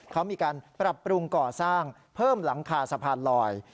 เขามีการปรับปรุงก่อสร้างเพิ่มหลังคาสะพานลอย